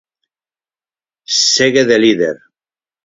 Segue de líder.